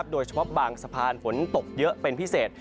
โดยเฉพาะบางสะพานฝนตกเยอะเป็นพิเศษ